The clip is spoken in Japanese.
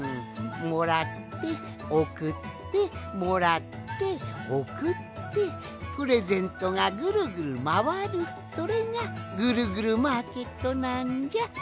もらっておくってもらっておくってプレゼントがぐるぐるまわるそれがぐるぐるマーケットなんじゃ。